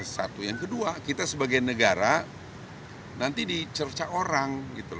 satu yang kedua kita sebagai negara nanti dicerca orang